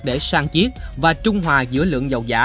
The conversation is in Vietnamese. để sang chiến và trung hòa giữa lượng dầu giả